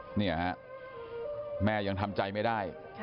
เนี่ยฮะแม่ยังทำใจไม่ได้